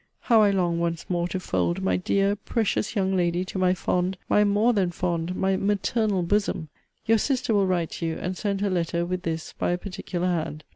How I long once more to fold my dear, precious young lady to my fond, my more than fond, my maternal bosom! Your sister will write to you, and send her letter, with this, by a particular hand.